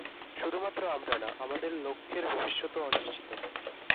শুধুমাত্র আমরা না, আমাদের লক্ষ্যের ভবিষ্যতও অনিশ্চিত!